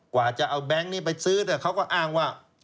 กว่าจะเอาแบงค์นี้ไปซื้อแต่เขาก็อ้างว่า